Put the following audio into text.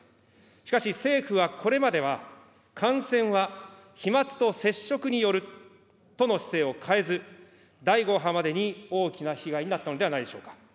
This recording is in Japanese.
しかし政府はこれまでは、感染は飛まつと接触によるとの姿勢を変えず、第５波までに大きな被害になったのではないでしょうか。